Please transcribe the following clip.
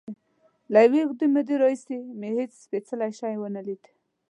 له یوې اوږدې مودې راهیسې مې هېڅ سپېڅلی شی نه و لیدلی.